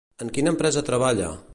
En quina empresa treballa?